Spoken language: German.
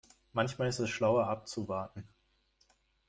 Manchmal ist es schlauer abzuwarten.